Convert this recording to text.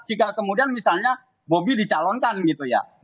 jika kemudian misalnya bobi dicalonkan gitu ya